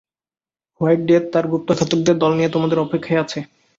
White death তার গুপ্তঘাতকের দল নিয়ে তোমাদের অপেক্ষায় আছে।